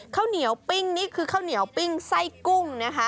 ข้าวเหนียวปิ้งนี่คือข้าวเหนียวปิ้งไส้กุ้งนะคะ